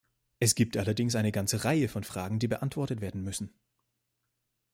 Es gibt allerdings eine ganze Reihe von Fragen, die beantwortet werden müssen.